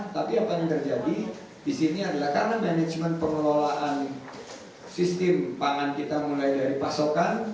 tapi apa yang terjadi disini adalah karena manajemen pengelolaan sistem pangan kita mulai dari pasokan